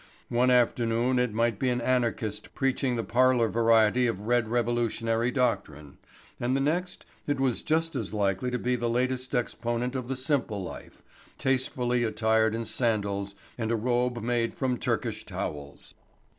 One afternoon it might be an anarchist preaching the parlor variety of red revolutionary doctrine and the next it was just as likely to be the latest exponent of the simple life, tastefully attired in sandals and a robe made from Turkish towels.